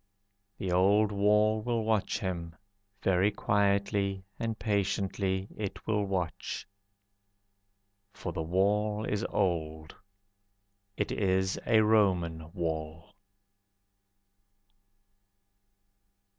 The old wall will watch him, Very quietly and patiently it will watch. For the wall is old, It is a Roman wall.